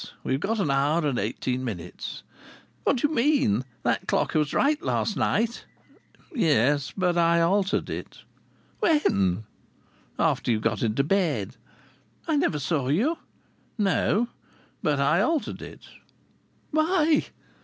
We've got an hour and eighteen minutes." "What do you mean? That clock was right last night." "Yes. But I altered it." "When?" "After you got into bed." "I never saw you." "No. But I altered it."